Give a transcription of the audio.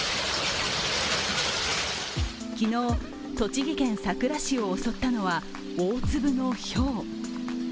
昨日、栃木県さくら市を襲ったのは大粒のひょう。